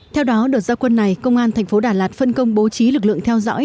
theo đó đột gia quân này công an tp đà lạt phân công bố trí lực lượng theo dõi